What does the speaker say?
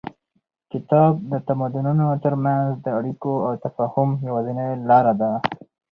کتاب د تمدنونو تر منځ د اړیکو او تفاهم یوازینۍ لاره ده.